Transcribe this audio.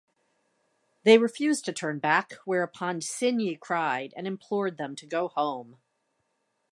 They refused to turn back, whereupon Signy cried and implored them to go home.